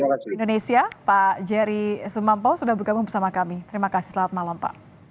koordinator komite indonesia pak jari semampau sudah bergabung bersama kami terima kasih selamat malam pak